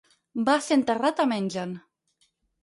Va ser enterrat a Mengen.